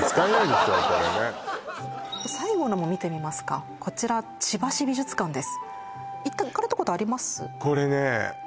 最後のも見てみますかこちら千葉市美術館です